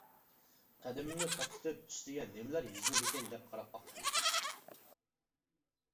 قەدىمىمنى توختىتىپ، ئۈستىگە نېمىلەر يېزىلدىكىن قاراپ باقتىم.